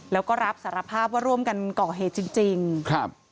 แล้วก็รับสารภาพว่าร่วมกันก่อเหตุจริงจริงครับ